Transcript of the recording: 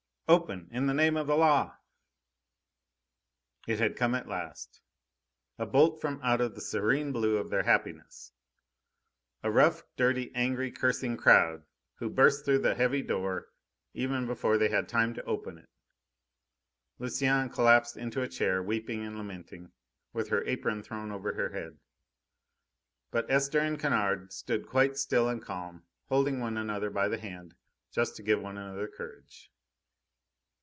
IV "Open, in the name of the Law!" It had come at last. A bolt from out the serene blue of their happiness. A rough, dirty, angry, cursing crowd, who burst through the heavy door even before they had time to open it. Lucienne collapsed into a chair, weeping and lamenting, with her apron thrown over her head. But Esther and Kennard stood quite still and calm, holding one another by the hand, just to give one another courage.